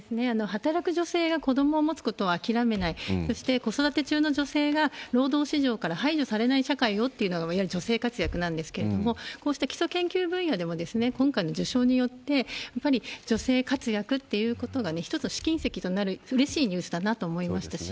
働く女性が子どもを持つことを諦めない、そして、子育て中の女性が労働市場から排除されない社会をっていうのが、いわゆる女性活躍社会なんですけれども、こうした基礎研究分野でも、今回の受賞によって、やっぱり女性活躍っていうことが一つの試金石となるうれしいニュースだなと思いましたし。